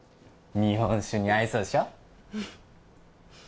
日本酒に合いそうでしょ